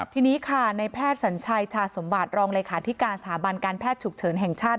ทีนี้ค่ะในแพทย์สัญชัยชาสมบัติรองเลขาธิการสถาบันการแพทย์ฉุกเฉินแห่งชาติ